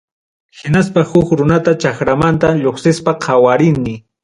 Hinaspa huk runata chakramanta lluqsiqta qawarani.